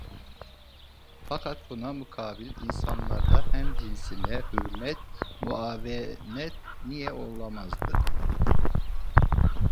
Fakat buna mukabil, insanlarda hemcinsine hürmet, muavenet niye olamazdı?